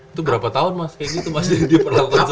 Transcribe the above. itu berapa tahun mas kayak gitu mas yang diperlakukan seperti itu